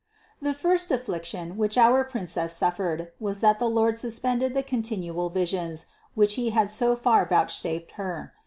678. The first affliction, which our Princess suffered, was that the Lord suspended the continual visions, which 523 524 CITY OF GOD He had so far vouchsafed Her.